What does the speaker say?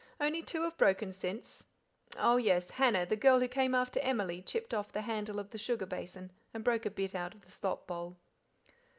Only two have broken since oh yes, Hannah, the girl who came after Emily, chipped off the handle of the sugar basin and broke a bit out of the slop bowl."